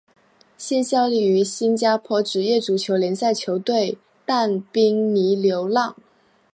现效力于新加坡职业足球联赛球队淡滨尼流浪。